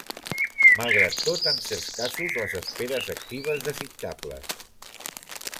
Malgrat tot, en certs casos les esperes actives desitjables.